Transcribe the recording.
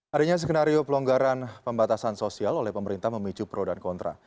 adanya skenario pelonggaran pembatasan sosial oleh pemerintah memicu pro dan kontra